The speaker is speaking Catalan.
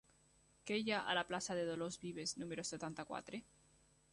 Què hi ha a la plaça de Dolors Vives número setanta-quatre?